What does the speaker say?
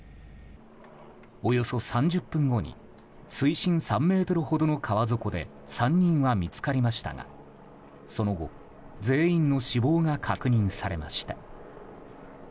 およそ３０分後に水深３ｍほどの川底で３人は見つかりましたがその後、全員の死亡が確認されました。